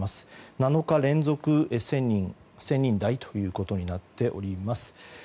７日連続１０００人台となっております。